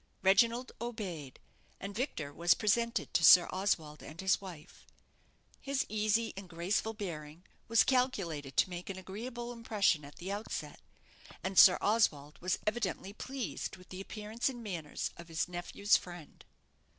Reginald obeyed, and Victor was presented to Sir Oswald and his wife. His easy and graceful bearing was calculated to make an agreeable impression at the outset, and Sir Oswald was evidently pleased with the appearance and manners of his nephew's friend.